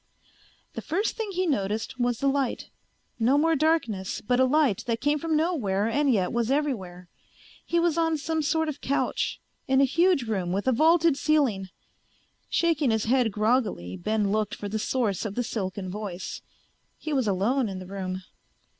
The first thing he noticed was the light. No more darkness, but a light that came from nowhere and yet was everywhere. He was on some sort of couch, in a huge room with a vaulted ceiling. Shaking his head groggily, Ben looked for the source of the silken voice. He was alone in the room.